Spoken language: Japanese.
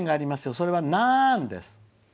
それは「なーん」です。